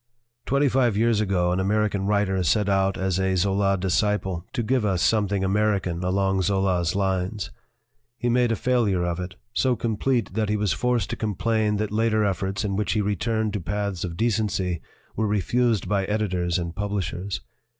"Twenty five years ago an American writer set out as a Zola disciple to give us something American along Zola's lines. He made a failure of it so complete that he was forced to com plain that later efforts in which he returned to paths of decency were refused by editors and publishers.